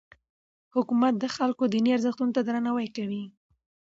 حکومت د خلکو دیني ارزښتونو ته درناوی کوي.